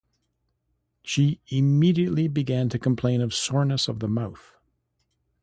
She immediately began to complain of soreness of the mouth.